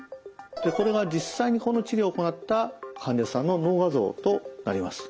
これが実際にこの治療を行った患者さんの脳画像となります。